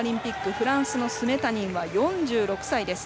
フランスのスメタニンは４６歳です。